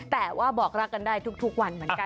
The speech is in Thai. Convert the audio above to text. แต่ว่าบอกรักกันได้ทุกวันเหมือนกัน